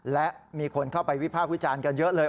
และมีคนเข้าไปวิพากษ์วิจารณ์กันเยอะเลย